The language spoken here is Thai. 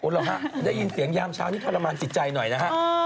อุ๊ยหรอกคะได้ยินเสียงยามเสาร์เจ้านี้ทรมานติดใจหน่อยนะคะ